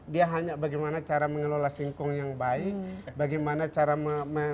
dia hanya bagaimana cara mengelola singkong yang baik bagaimana cara mengembang biaya